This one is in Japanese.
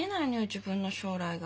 自分の将来が。